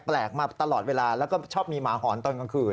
มาตลอดเวลาแล้วก็ชอบมีหมาหอนตอนกลางคืน